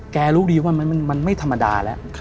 รู้ดีว่ามันไม่ธรรมดาแล้ว